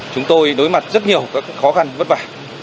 chúng tôi đối mặt rất nhiều khó khăn vất vả